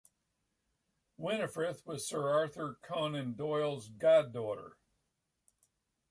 Winnifrith was Sir Arthur Conan Doyle's god-daughter.